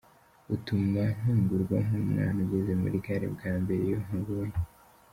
Utuma ntungurwa nk’umwana ugeze muri gare bwa mbere iyo nkubonye.